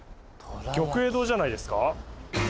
玉英堂じゃないですか？